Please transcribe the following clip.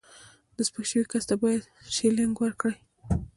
د سپک شوي کس ته باید شیلینګ ورکړي.